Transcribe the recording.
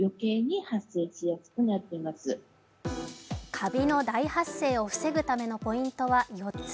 カビの大発生を防ぐためのポイントは４つ。